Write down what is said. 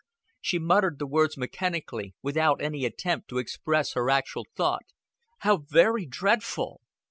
She muttered the words mechanically, without any attempt to express her actual thought. "How very dreadful!"